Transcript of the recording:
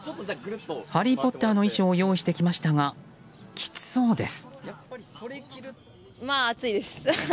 ハリー・ポッターの衣装を用意してきましたがきつそうです。